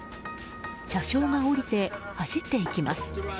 車掌が降りて、走っていきます。